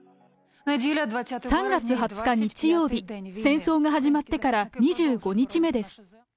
３月２０日日曜日、戦争が始まってから２５日目です。